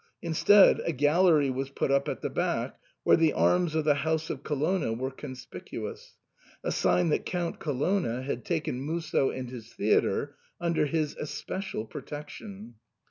Instead, a gallery was put up at the back, where the arms of the house of Colonna were conspicuous — a sign that Count Colonna had taken Musso and his theatre under his especial pro tection.